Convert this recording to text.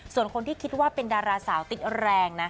ส่วนคนที่คิดว่าเป็นดาราสาวติดแรงนะ